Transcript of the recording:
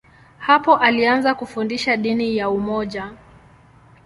Hapo alianza kufundisha dini ya umoja.